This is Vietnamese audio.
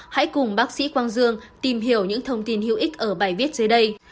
hãy cùng bác sĩ quang dương tìm hiểu những thông tin hữu ích ở bài viết dưới đây